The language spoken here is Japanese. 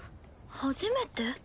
初めて？